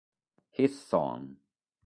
His Son